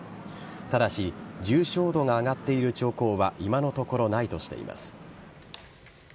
ただし重症度が上がっている兆候は今のところないとしています。